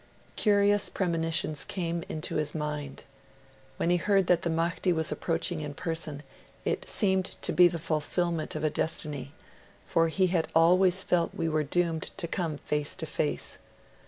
Curious premonitions came into his mind. When he heard that the Mahdi was approaching in person, it seemed to be the fulfilment of a destiny, for he had 'always felt we were doomed to come face to face'.